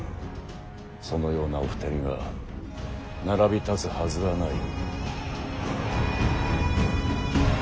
そのようなお二人が並び立つはずはない。